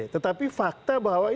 tetapi fakta bahwa